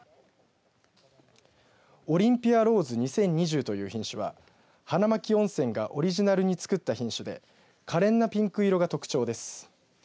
オリンピアローズ２０２０という品種は花巻温泉がオリジナルに作った品種で可憐なピンク色が特徴です。